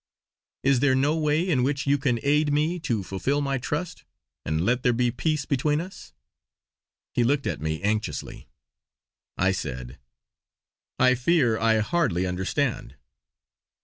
Is there no way in which you can aid me to fulfill my trust; and let there be peace between us?" He looked at me anxiously; I said: "I fear I hardly understand?"